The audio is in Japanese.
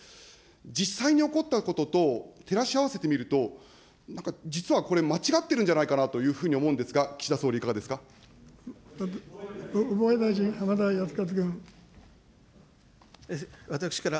実際に起こったことと照らし合わせてみると、なんか実はこれ、間違ってるんじゃないかというふうに思うんで防衛大臣、私から。